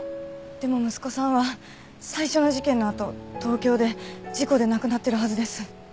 でも息子さんは最初の事件のあと東京で事故で亡くなっているはずです。